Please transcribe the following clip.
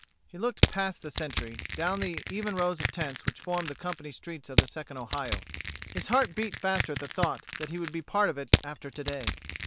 He looked past the Sentry, down at the even rows of tents which formed the company streets of the Second Ohio. His heart beat faster at the thought that he would be part of it after today.